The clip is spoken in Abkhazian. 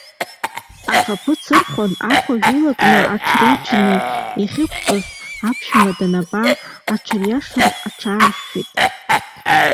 Ахаԥыц ырхәа ахәыжә иалакны, аҽреиџьны иахьықәтәаз аԥшәма данаба, аҽыриашан аҽааршәшәеит.